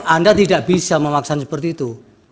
anda tidak bisa memaksa seperti itu